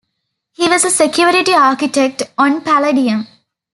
He was a security architect on Palladium.